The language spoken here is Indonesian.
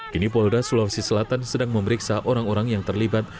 kini polda sulawesi selatan sedang memeriksa orang orang yang terlibat